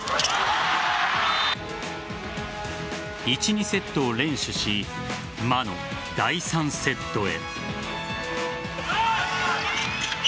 １、２セットを連取し魔の第３セットへ。